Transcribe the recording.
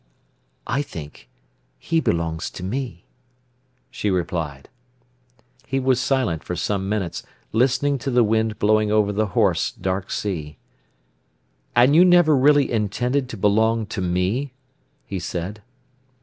"I think he belongs to me," she replied. He was silent for some minutes, listening to the wind blowing over the hoarse, dark sea. "And you never really intended to belong to me?" he said.